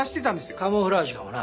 カムフラージュかもな。